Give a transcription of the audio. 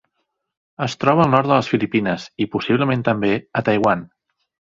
Es troba al nord de les Filipines i, possiblement també, a Taiwan.